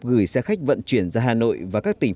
gửi xe khách vận chuyển ra hà nội và các tỉnh